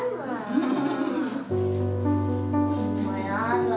うん。